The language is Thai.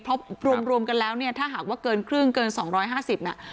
เพราะรวมกันแล้วเนี่ยถ้าหากว่าเกินครึ่งเกิน๒๕๐น่ะ